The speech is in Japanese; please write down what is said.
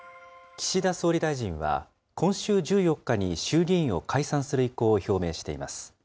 岸田総理大臣は、今週１４日に衆議院を解散する意向を表明しています。